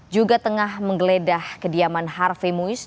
juga tengah menggeledah kediaman harvey moise